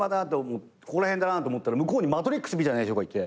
ここら辺だなと思ったら向こうに『マトリックス』みたいな人がいて。